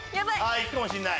いくかもしれない。